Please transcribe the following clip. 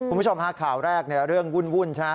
คุณผู้ชมคราวแรกนี่จะเรื่องวุ่นใช่ไหม